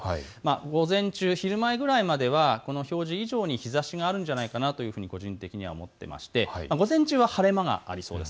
午前中、昼前くらいまでは表示以上に日ざしがあるんじゃないかなと個人的には思っていまして午前中は晴れ間がありそうです。